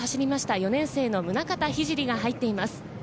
４年生の宗像聖が入っています。